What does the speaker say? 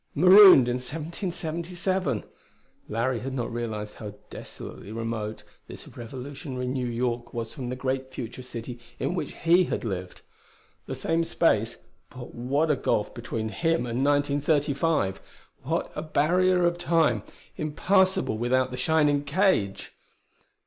Marooned in 1777! Larry had not realized how desolately remote this Revolutionary New York was from the great future city in which he had lived. The same space; but what a gulf between him and 1935! What a barrier of Time, impassable without the shining cage!